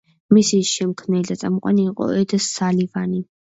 მისი შემქმნელი და წამყვანი იყო ედ სალივანი.